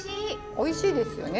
おいしいですよね。